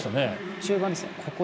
中盤ですね。